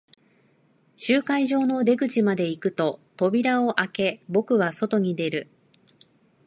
集会所の出口まで行くと、扉を開け、僕は外に出る。